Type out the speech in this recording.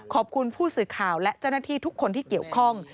ขอบคุณผู้สื่อข่าวและเจ้าหน้าที่ทุกคนที่เกี่ยวข้อง